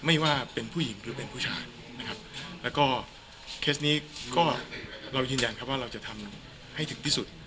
ไม่ว่าเป็นผู้หญิงหรือเป็นผู้ชายนะครับแล้วก็เคสนี้ก็เรายืนยันครับว่าเราจะทำให้ถึงที่สุด